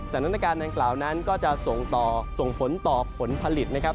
สถานการณ์ดังกล่าวนั้นก็จะส่งต่อส่งผลต่อผลผลิตนะครับ